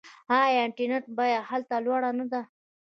آیا د انټرنیټ بیه هلته لوړه نه ده؟